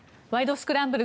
スクランブル」